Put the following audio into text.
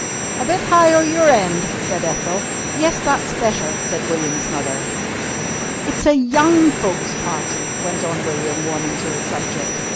"A bit higher your end," said Ethel. "Yes, that's better," said William's mother. "It's a young folks' party," went on William, warming to his subject.